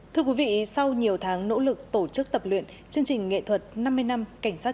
thưa quý vị sau nhiều tháng nỗ lực tổ chức tập luyện chương trình nghệ thuật năm mươi năm cảnh sát